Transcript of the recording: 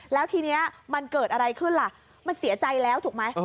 แล้วทีนี้มันเกิดอะไรขึ้นล่ะมันเสียใจแล้วถูกไหม